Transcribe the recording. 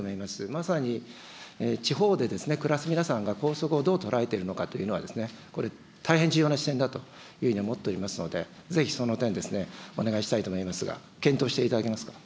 まさに地方で暮らす皆さんが、高速をどう捉えているのかというのは、これ、大変重要な視点だというふうに思っておりますので、ぜひ、その点、お願いしたいと思いますが、検討していただけますか。